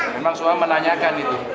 memang semua menanyakan itu